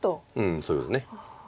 そうですね。